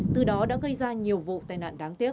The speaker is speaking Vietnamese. từ đó đã gây ra nhiều vụ tai nạn đáng tiếc